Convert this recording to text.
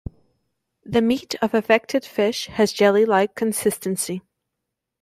The meat of affected fish has a "jelly-like" consistency.